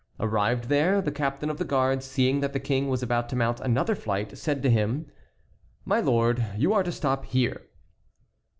Arrived there, the captain of the guards, seeing that the king was about to mount another flight, said to him: "My lord, you are to stop here."